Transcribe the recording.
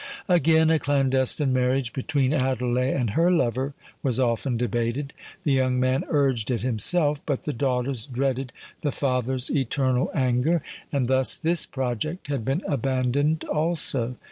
Again, a clandestine marriage between Adelais and her lover was often debated: the young man urged it himself;—but the daughters dreaded the father's eternal anger; and thus this project had been abandoned also.